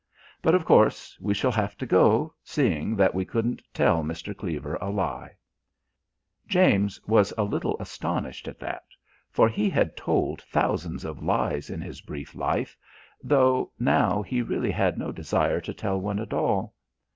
But, of course, we shall have to go, seeing that we couldn't tell Mr. Cleaver a lie." James was a little astonished at that, for he had told thousands of lies in his brief life, though now he really had no desire to tell one at all.